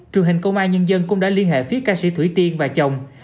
truyền hình công an nhân dân cũng đã liên hệ phía ca sĩ thủy tiên và chồng